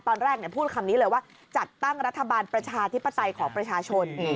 ตอนแรกพูดคำนี้เลยว่าจัดตั้งรัฐบาลประชาธิปไตยของประชาชน